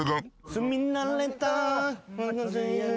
「住みなれた」